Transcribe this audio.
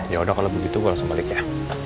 yaudah kalau begitu gue langsung balik ya